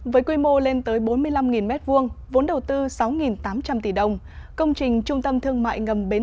với quy mô lên tới bốn mươi năm m hai vốn đầu tư sáu tám trăm linh tỷ đồng công trình trung tâm thương mại ngầm bến